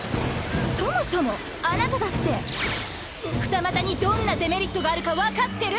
そもそもあなただって二股にどんなデメリットがあるか分かってる？